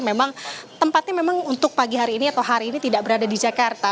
memang tempatnya memang untuk pagi hari ini atau hari ini tidak berada di jakarta